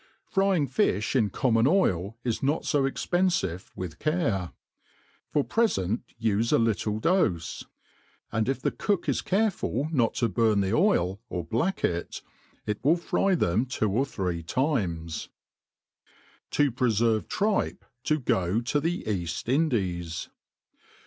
Frying fi/h in common oil is not fo cxpenfivc with care; for present ufc a little does, and if the cook is careiful not to burn the oil, or black it, it will fry them two or three times., To prefervt T^ipe to go to the Eaft IndUs.